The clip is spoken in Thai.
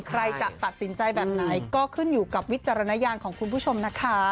ใครจะตัดสินใจแบบไหนก็ขึ้นอยู่กับวิจารณญาณของคุณผู้ชมนะคะ